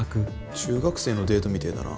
中学生のデートみてぇだな。